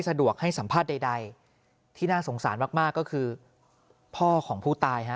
สะดวกให้สัมภาษณ์ใดที่น่าสงสารมากก็คือพ่อของผู้ตายฮะ